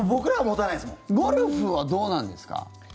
ゴルフはどうなんですか？